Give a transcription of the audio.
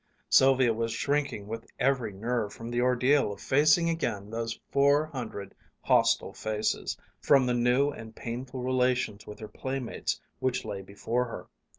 Sylvia was shrinking with every nerve from the ordeal of facing again those four hundred hostile faces; from the new and painful relations with her playmates which lay before her.